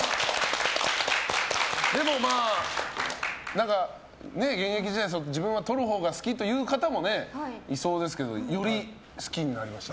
でもまあ、何か現役時代、自分は取るほうが好きという方もいそうですけどより好きになりましたか。